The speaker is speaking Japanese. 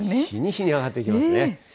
日に日に上がっていきますね。